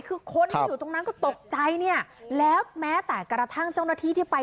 คือคนที่อยู่ตรงนั้นก็ตกใจเนี่ยแล้วแม้แต่กระทั่งเจ้าหน้าที่ที่ไป